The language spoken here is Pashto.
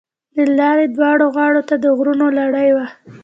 د لارې دواړو غاړو ته د غرونو لړۍ وه.